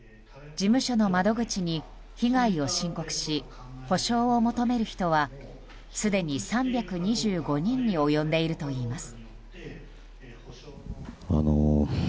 事務所の窓口に被害を申告し補償を求める人はすでに３２５人に及んでいるといいます。